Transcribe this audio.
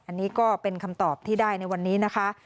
อันนี้ก็เป็นคำตอบที่ได้ในวันนี้นะคะ